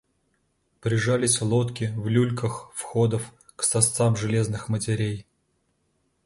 Прижались лодки в люльках входов к сосцам железных матерей.